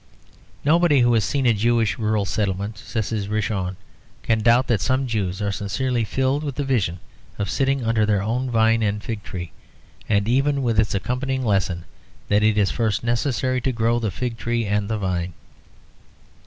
Nobody who has seen a Jewish rural settlement, such as Rishon, can doubt that some Jews are sincerely filled with the vision of sitting under their own vine and fig tree, and even with its accompanying lesson that it is first necessary to grow the fig tree and the vine.